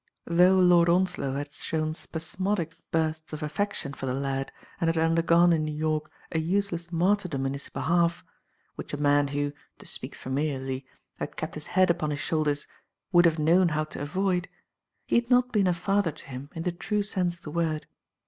Though Lord Onslow had shown spasmodic bursts of affection for the lad and had undergone in New York a useless martyrdom in his behalf, which a man who, to speak familiarly, had kept his head upon his shoulders, would have known how to avoid, he had not been a father to him in the true sense of the word.